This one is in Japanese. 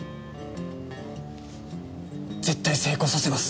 絶対成功させます。